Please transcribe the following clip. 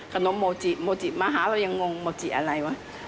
โมจิโมจิมาหาเรายังงงโมจิอะไรวะ